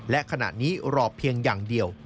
และขณะนี้รอเพียงอย่างเดียว